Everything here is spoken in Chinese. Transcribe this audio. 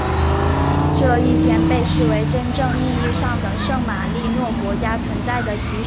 这一天被视为真正意义上的圣马力诺国家存在的起始。